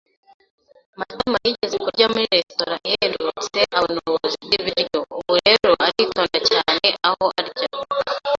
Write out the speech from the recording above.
Matama yigeze kurya muri resitora ihendutse abona uburozi bwibiryo, ubu rero aritonda cyane aho arya.